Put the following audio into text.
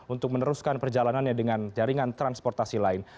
untuk meneruskan perjalanannya dengan jaringan transportasi lain